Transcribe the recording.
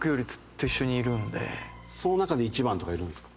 その中で一番とかいるんですか？